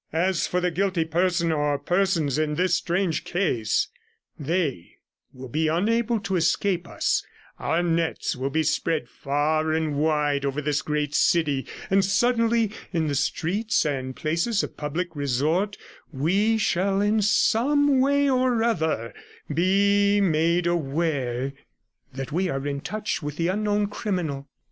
As for the guilty person or persons in this strange case, they will be unable to escape us, our nets will be spread far and wide over this great city, and suddenly, in the streets and places of public resort, we shall in some way or other be made aware that we are in touch with the unknown criminal.